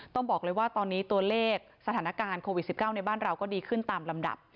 ต้องบอกเลยว่าตอนนี้ตัวเลขสถานการณ์โควิด๑๙ในบ้านเราก็ดีขึ้นตามลำดับ